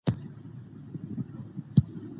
افغانستان د خپلو چار مغز لپاره په نړۍ کې مشهور دی.